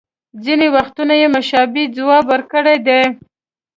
ځینې وختونه یې مشابه ځواب ورکړی دی